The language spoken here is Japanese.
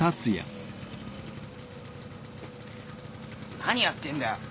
何やってんだよ！？